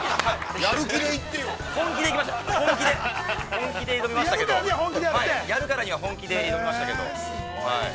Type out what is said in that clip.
◆やるからには、本気で挑みましたけど。